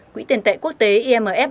quỹ tiền tệ quốc tế imf